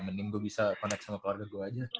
mending gue bisa connect sama keluarga gue aja